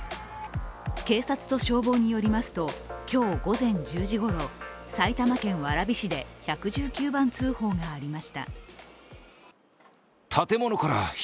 警察と消防によりますと、今日午前１０時ごろ埼玉県蕨市で１１９番通報がありました。